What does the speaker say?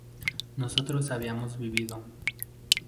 nosotros habíamos vivido